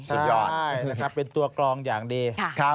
ใช่เป็นตัวกลองอย่างดี